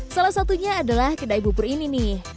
salah satunya adalah kedai bubur ini nih